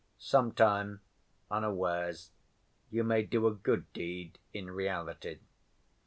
Sometime, unawares, you may do a good deed in reality."